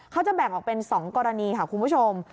เขาจะแบ่งออกเป็น๒กรณีค่ะคุณผู้ชม